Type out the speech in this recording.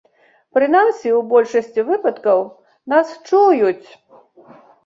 Прынамсі, у большасці выпадкаў нас чуюць!